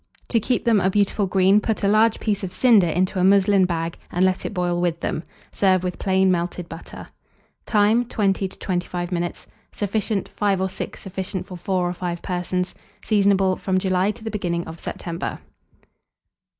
To keep them a beautiful green, put a large piece of cinder into a muslin bag, and let it boil with them. Serve with plain melted butter. Time. 20 to 25 minutes. Sufficient, 5 or 6 sufficient for 4 or 5 persons. Seasonable from July to the beginning of September.